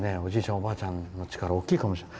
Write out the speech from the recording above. おばあちゃんの力は大きいかもしれません。